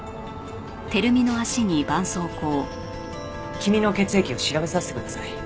君の血液を調べさせてください。